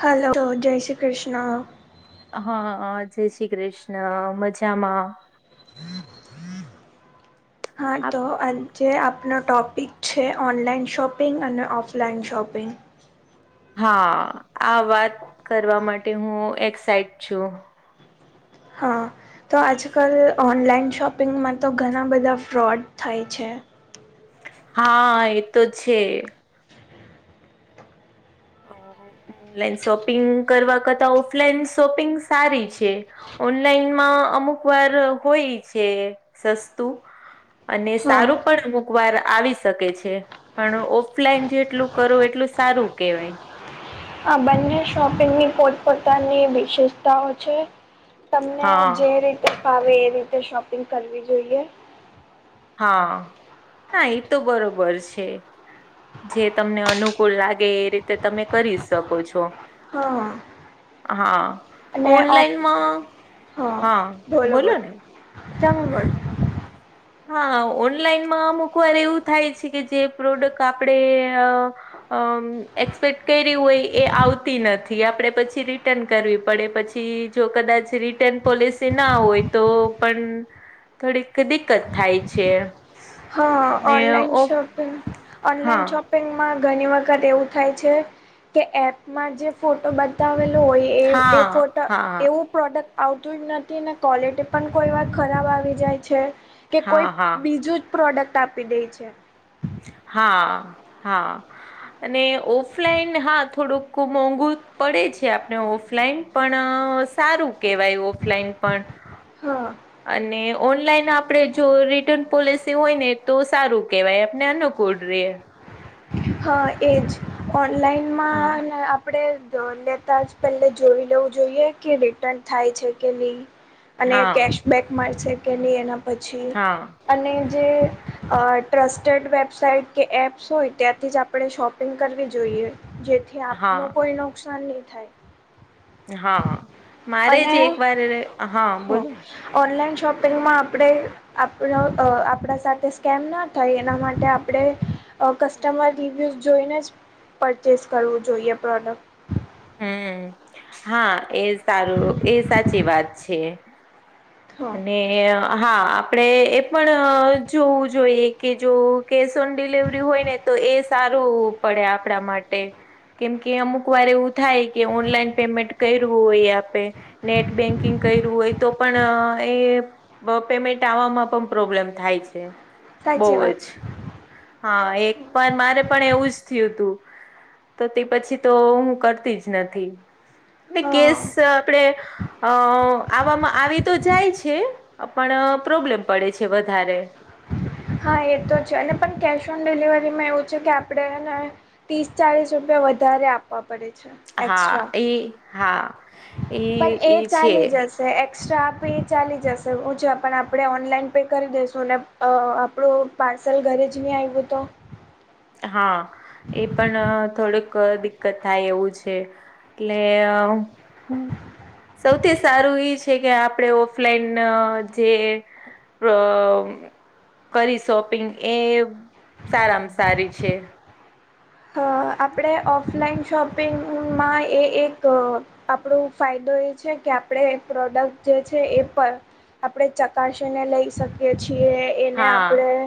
હાલો જય શ્રી કૃષ્ણ, હા જય શ્રી કૃષ્ણ મજામાં હા આપ તો અ જે આપનો ટૉપિક છે ઓનલાઈન શોપિંગ અને ઓફલાઈન શોપિંગ હા આ વાત કરવા માટે હું એક્સાઇટ છું. હા તો આજકાલ ઓનલાઈન શોપિંગમાં તો ઘણા બધા ફ્રોડ થાય છે. હા એ તો છે. ઓનલાઈન શોપિંગ કરવા કરતા ઓફલાઈન શોપિંગ સારી છે ઓનલાઈનમાં અમુક વાર હોય છે સસ્તું અને હા સારું પણ અમુક વાર આવી શકે છે પણ ઓફલાઈન જેટલું કરું એટલું સારું કહેવાય આ બંને શોપિંગની પોતપોતાની વિશેષતાઓ છે તમને હા જે રીતે ફાવે એ રીતે શોપિંગ કરવી જોઈએ. હા, ના એ તો બરોબર છે. જે તમને અનુકૂળ લાગે એ રીતે તમે કરી શકો છો. હા. હા અને ઓફ ઓનલાઈનમાં હા બોલોને. જંગલ, હા ઓનલાઈનમાં અમુકવાર એવું થાય છે, કે જે પ્રોડક્ટ આપડે. અ એક્સપેક્ટ કર હોય એ આવતી નથી, આપડે પછી રિટર્ન કરવી પડે પછી. જો કદાચ રિટર્ન પોલિસી ના હોય તો પણ થોડીક કદી દકત થાય છે. હા ને ઓનલાઈન ઓ શોપિંગ, હા ઓનલાઈન શોપ. શોપિંગમાં ઘણી વખત એવું થાય છે, કે એપમાં જે ફોટો બતાવેલો હોય એ એ હા ફોટા હા એવું. પ્રોડક્ટ આવતું જ નથી, અને ક્વૉલિટી પણ કોઈ વાત ખરાબ આવી જાય છે. કે હા કોઈ હા બીજું જ પ્રોડક્ટ આપી દે છે. હા, હા. અને ઓફલાઈન હા થોડુંક મોંઘુ પડે છે, આપને ઓફલાઈન પણ સારું કેહેવાય, ઓફલાઈન પણ. હા. અને ઓનલાઈન આપડે જો રિટર્ન પોલિસી હોય ને તો સારું કેવાય, આપને અનુભવ. Good day. હા એજ હા ઓનલાઈનમાં આપ. આપણે લેતા જ પહેલે જોઈ લેવું જોઈએ, કે રિટર્ન થાય છે, કે નહીં. અને હા કેશબેક મારશે કે નહીં એના પછી. હા અને જે ટ્રસ્ટેડ વેબસાઇટ કે એપ્સ હોય. ત્યાંથી જ આપણે શોપિંગ કરવી જોઈએ, જેથી હા આપનું કોઈ નુકસાન નહીં થાય. હા મારે જ અને એકવાર હા બોલોને. ઓનલાઈન શોપિંગમાં આપણે. આપ આપણા સાથે સ્કેમ ના થાય એના માટે આપણે. અ કસ્ટમર રિવ્યુઝ જોઈને જ પરચેસ કરવું જોઈએ પ્રોડક્ટ. હું હા એ સારું એ સાચી વાત છે. હા અનેને. હા આપણે એ પણ જોવું જોઈએ, કે જો કેશ ઓન ડિલવરી હોયને. તો એ સારું પડે આપણા માટે. કેમ કે, અમુકવાર એવું થાય કે ઓનલાઈન પેમેન્ટ કરું હોય આપે. નેટ બેન્કિંગ કર્યું હોય તો પણ. એ પેમેન્ટ આવવામાં પણ પ્રોબ્લેમ થાય છે. બહુ સાચી વાત જ છે. હા એક પણ મારે પણ એવું જ થયું હતું. તો તે પછી તો હું કરતી જ નથી. કે હા આપડે અ આવવામાં આવી તો જાય છે, પણ પ્રોબ્લેમ પડે છે, વધારે. હા એ તો છે, અને પણ કેશ ઓન ડિલિવરીમાં એવું છે, કે આપણેને ત્રીસ ચાલીસ રૂપિયા વધારે આપવા પડે છે. હા એક્સ્ટ્રા ઈ, હા પણ એ ઈ છે. ચાલી જશે એક્સ્ટ્રા પે એ ચાલી જશે હું છે, પણ આપણે ઓનલાઈન પે કરી દઈશું. ને આપણું પાર્સલ ઘરે જ નહીં આવ્યું તો? હા એ પણ થોડક દિક કથા એવું છે એટલે સૌથી સારું એ છે કે આપણે ઓફલાઈન જે અ કરી શોપિંગ એ સારામાં સારી છે. હ આપણે ઓફલાઈન શોપિંગમાં એએ એક આપણો ફાયદો એ છે કે આપણે પ્રોડક્ટ જે છે એ પર આપણે ચકાસીને લઈ શકીએ છીએ એને હા આપણેે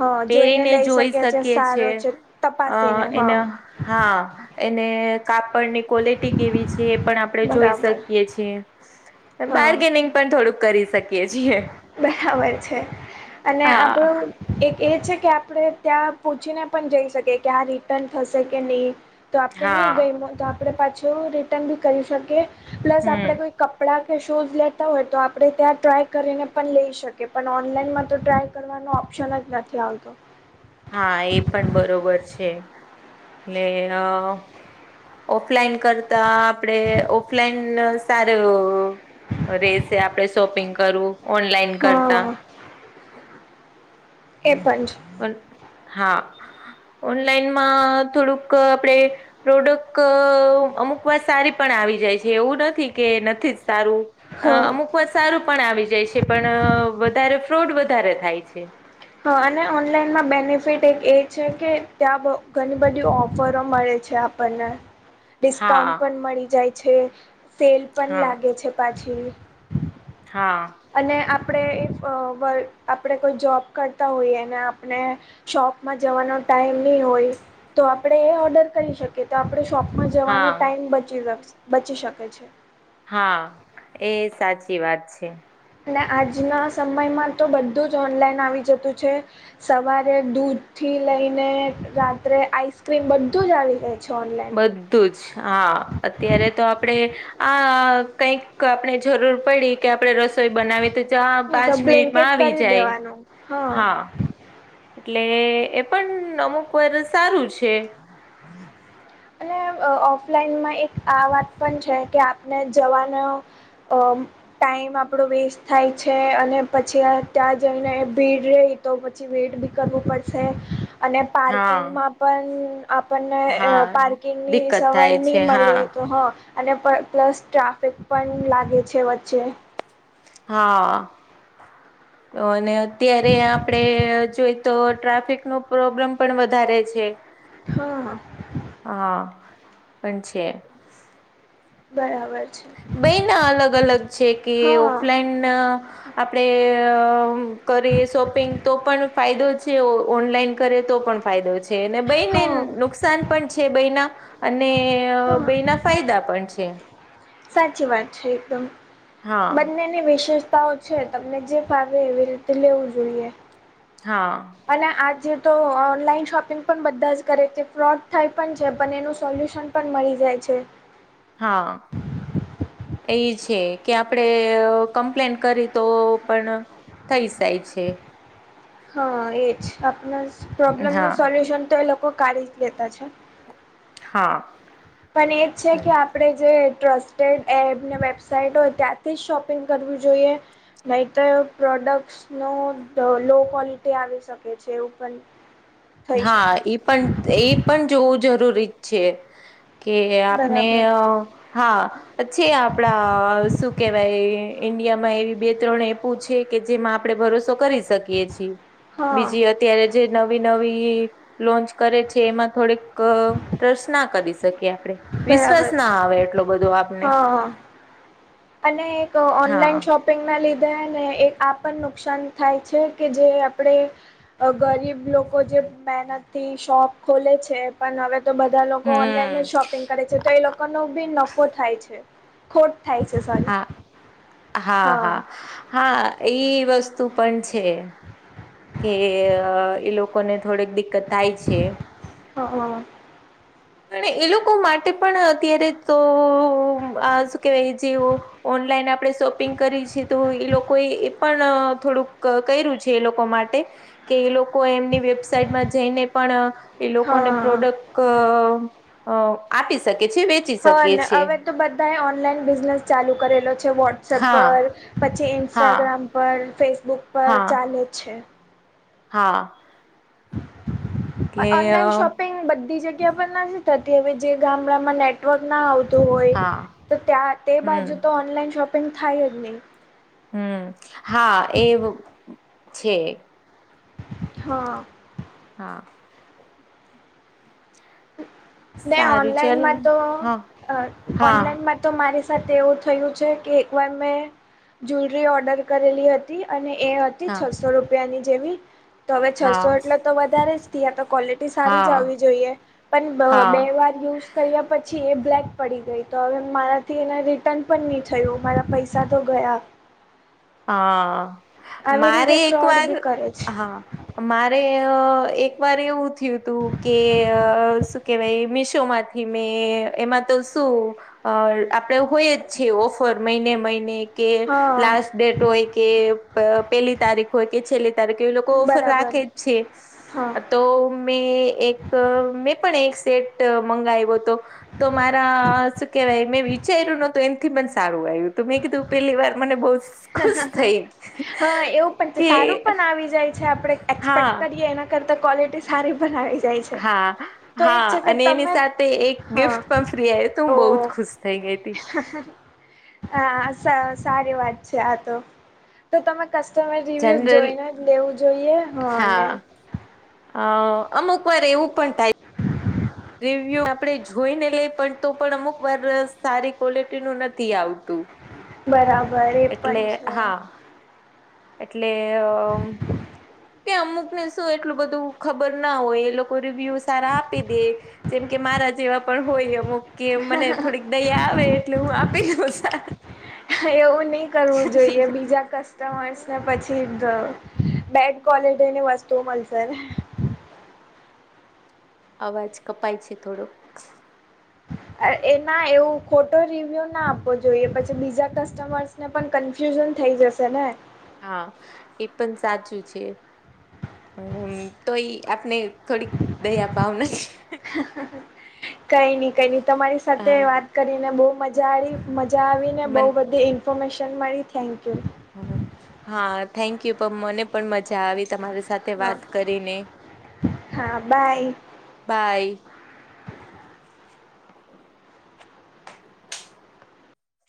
હા જોઈને પહેરીને લઈ જોઈ શકે છે શકીએ સારો છે અ તપાસીને હા એના હા એને કાપડની ક્વોલિટી કેવી છે એ પણ આપણે જોઈ બરાબર શકીએ છીએ. હા માર્ગેનિંગ પણ થોડુંક કરી શકીએ છીએ બરાબર છે અને હા આપણું-' એક એ છે કે આપણે ત્યાં પૂછીને પણ જઈ શકીએ કે આ રિટર્ન થશે કે નહીં તો આપણે નહી હા ગઈ તો આપણે પાછું રિટર્ન બી કરી શકીએ પ્લસ આપડે હમ કોઈ કપડાં કે શૂઝ લેતા હોય તો આપણે ત્યાં ટ્રાય કરીને પણ લઈ શકે પણ ઓનલાઈનમાં તો ટ્રાય કરવાનો ઓપ્શન જ નથી આવતો હા એ પણ બરોબર છે એટલે અ ઓફલાઈન કરતા આપડે ઓફલાઈન સારું-' રે છે આપડે શોપિંગ કરવું ઓનલાઈન કરતા હા એ પણ છે. હા ઓનલાઈનમાં થોડુંક આપણે પ્રોડક્ટ અમુક વાર સારી પણ આવી જાય છે એવું નથી કે નથી જ સારું અ હા અમુક વાત સારું પણ આવી જાય છે પણ વધારે ફ્રોડ વધારે થાય છે. હા અને ઓનલાઈનમાં બેનિફિટ એક એ છે કે ત્યાં ઘણી બધી ઓફરો મળે છે. છે આપણે હા ડિસ્કાઉન્ટ પણ મળી જાય છે સેલ પણ હા લાગે છે પાછી હા અને આપણે ઇફ વકૅ આપણે કોઈ જોબ કરતા હોઈએ અને આપણે શોપમાં જવાનો ટાઈમ નહી હોય તો આપણે એ ઓર્ડર કરી શકીએ કે તો આપણે શોપમાં જવાનો હા ટાઈમ બચી બચી શકે છે. હા એ સાચી વાત છે. અને આજના સમયમાં તો બધું જ ઓનલાઈન આવી જતું છે. સવારે દૂધ થી લઈને રાત્રે આઈસ્ક્રીમ બધું જ આવી જાય છે ઓનલાઈન બધું જ હા અત્યારે તો આપડે આ કઈક આપણે જરૂર પડી કે આપડે રસોઈ બનાવી તો તો પાંચ મિનિટમાં બ્લેન્કેટ આવી કરી જાય દેવાનું હા, એટલે એ પણ અમુક વાર સારું છે. હમમ અને ઓફલાઈનમાં એક આ વાત પણ છે કે આપણે જવાનો અ ટાઈમ આપણો વેસ્ટ થાય છે અને પછી ત્યાં જઈને ભીડ રે તો પછી વેઇટ બી કરવું પડશે અને હા. પાર્કિંગમાં પણ આપને હા પાર્કિંગ ની દિક્કત સવારી થાય છે નહી હા મળી તો હ અને પણ પ્લસ ટ્રાફિક પણ લાગે છે વચ્ચે હા તો અને અત્યારે આપડે જોઈ તો ટ્રાફિક નો પ્રોબ્લેમ પણ વધારે છે. હા હા પણ છે બરાબર. છે બેઈ ના અલગ અલગ છે કે હા ઓફલાઈન આપણેે અ કરીએ શોપિંગ તો પણ ફાયદો છે ઓનલાઈન કરે તો પણ ફાયદો છે. છે બાઈને હા નુકસાન પણ છે બેઈના અને હા બે ના ફાયદા પણ છે. સાચી વાત છે એકદમ હા. બંને ના ની વિશેષતાઓ છે તમને જે ફાવે એવી રીતે લેવું જોઈએ. હા. અને આજે તો ઓનલાઈન શોપિંગ પણ બધા જ કરે છે ફ્રોડ થાય પણ છે પણ એનું સોલ્યુશન પણ મળી જાય છે. હા. એ છે કે આપડે કમ્પ્લેન કરી તો પણ થઈ જાય છે. હા એજ આપને પ્રોબ્લેમ નુ હા સોલ્યુશન તો એ લોકો કાઢી જ લેતા છે. હા. પણ એજ છે કે હમ. આપણે જે ટ્રસ્ટેડ એપ ને વેબસાઇટ હોય ત્યાંથી જ શોપિંગ કરવું જોઈએ. નહી તો પ્રોડક્ટસ નુ લો ક્વોલિટી આવી શકે છે એવુ પણ થઈ શકે. હા એ પણ એ પણ જોવું જરૂરી છે. કે આપને બરાબર હા. છે આપડા શું કેવાય ઈન્ડિયામાં એવી બે ત્રણ એપુ છે કે જેમાં આપણે ભરોસો કરી શકીએ છીએ હા બીજી અત્યારે જે નવીન નવી લોન્ચ કરે છે એમાં થોડીક ટ્રસ્ટ ના કરી શકીએ આપણે બરાબર વિશ્વાસ ના છે આવે એટલો બધો આપને હા હા. અને એક હા ઓનલાઈન શોપ પિંગ ના લીધેને એક આ પણ નુકસાન થાય છે કે જે આપણે ગરીબ લોકો જે મહેનતથી શોપ ખોલે છે. પણ હવે તો બધા લોકો ઓનલાઈન હમ જ શોપિંગ કરે છે તો એ લોકો નુ બી નફો થાય છે. ખોટ થાય છે. સોરી હા હા હા હા એ વસ્તુ પણ છે. કે એ લોકોને થોડીક દિક્કત થાય છે. હ હ અને એ લોકો માટે પણ અત્યારે તો આ શું કેવાય જેવું ઓનલાઈન આપણે શોપિંગ કરી છીએ તો એ લોકોએ એ પણ થોડુંક કર્યું છે એ લોકો માટે કે એ લોકો એમની વેબસાઇટમાં જઈને પણ એ લોકોને હા પ્રોડક્ટ અ આપી શકે છે વેચી હા શકે ને છે હવે તો બધાએ ઓનલાઈન બિઝનેસ ચાલુ કરેલો છે વોટ અપ હા પર પછી હા ઇન્સ્ટાગ્રામ પર ફેસબુક પર હા ચાલે છે હા. એટલે ઓનલાઈન અ શોપિંગ બધી જગ્યાએ કે પણ નથી થતી હવે જે ગામડામાં નેટવર્ક ના આવ હોય હા તો ત્યાં તે બાજુ હમ તો ઓનલાઈન શોપિંગ થાય જ નહીં. હમ્મ હા એ છે. હા. હા ન સારું ઓનલાઈનમાં તો ચાલ હા ઓનલાઈનમાં તો મારી સાથે એવું થયું છે કે એક વાર મેં જુલરી ઓર્ડર કરેલી હતી અને એ હા હા છસો રૂપિયાની જેવી તો હવે છસો હા એટલે તો વધારે જ ત્યા કોલિટી સારી જવી હા જોઈએ પણ હા બે વાર યુઝ કર્યા પછી એ બ્લેક પડી ગઈ તો હવે મારાથી એને રિટર્ન પણ નહીં થયું મારા પૈસા સા તો ગયાયા હા આવી મારે રીતે એક ફ્રોડ વાર બી કરે છે હા મારે એકવાર એવું થયું તું કે કે ભાઈ મીશોમાંથી મેં એમાં તો શું અ આપડે હોય જ છે ઓફર મહિને મહિને કે હા લાસ્ટ ડેટ હોય કે પેલી તારીખ હોય કે છેલ્લી ત્યારે કે એ લોકો ઓફર બરાબર રાખે જ છે હા તો મેં એક મેં પણ એક સેટ મંગાવ્યો હતો તો મારા શું કેવાય મેં વિચાર્યું નતું એમ સારું આવ્યું ત મેં કીધું પેલી વાર મને બ હા એવું પણ કે સારું પણ આવી જાય છે આપણે હા એક્સપેક્ટ કરીએ એના કરતા ક્વલિટી સારી બનાવી છે હા તો એ જ હા છે કે અને એની તમે સાથે એક હા ગિફ્ટ પણ ફ્રી આવે તો હું ઓ બહુ જ ખુશ થઈ ગઈ હતીી હા સારી વાત છે આ તો તો તમે કસ્ટમર રિવ્યુ જનરલ જોઈને જ લેવું જોઈએ હાને હ અમુક વાર એવું પણ થાય [unintelligible] રિવ્યુ આપડે જોઈને લઈ પણ તો પણ અમુક વાર સારી ક્વલિટી નું નથી આવતું બરાબર એ પણ એટલે છે હા એટલે કે અમુક શું એટલું બધું ખબર ના હોય એ લોકો રિવ્યુ સારા આપી દે જેમ કે મારા જેવા પણ હોય અમુક કે મને થોડીક દયા આવે એટલે હું આપી લઉ એવું નહી કરવું જોઈએ બીજા કસ્ટમર્સ ને પછી બેડ ક્વોલિટીની વસ્તુઓ મળશે અવાજ કપાય છે થોડોક એના એવું ખોટો રિવ્યુ ના આપવો જોઈએ પછી બીજા કસ્ટમર્સ ને પણ કન્ફ્યુઝન થઈ જશે ને હા એ પણ સાચું છે પણ તો એ આપને થોડીક દયા ભાવ નથી હ કઈ નઈ કઈ નઈ તમારી સાથે હા વાત કરીને બહ મજા આવી મજા આવીને બહ મન બધે ઇન્ફોર્મેશન મળી થેન્ક યુ હા થેન્ક યુ પણ મને પણ મજા આવી તમારી સાથે હા વાત કરીને હા બાય બાય